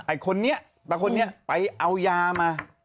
ไอ้คนนี้ไปเอายามา